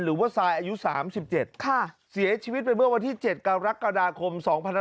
หรือว่าสายอายุ๓๗ค่ะเสียชีวิตเป็นเมื่อวันที่๗กรกฎาคม